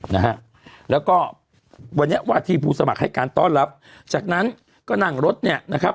นะฮะแล้วก็วันนี้วาทีผู้สมัครให้การต้อนรับจากนั้นก็นั่งรถเนี่ยนะครับ